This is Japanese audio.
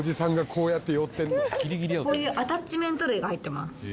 こういうアタッチメント類が入ってます。